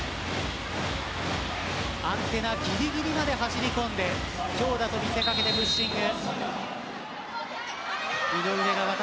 アンテナぎりぎりまで走り込んで強打と見せかけてプッシング。